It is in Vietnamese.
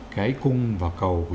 cái cung và cầu của